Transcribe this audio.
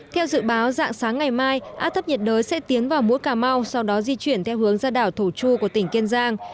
theo dự báo dạng sáng ngày mai áp thấp nhiệt đới sẽ tiến vào mũi cà mau sau đó di chuyển theo hướng ra đảo thổ chu của tỉnh kiên giang